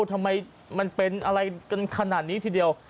ทำไมมันเป็นอะไรกันขนาดนี้ทีเดียว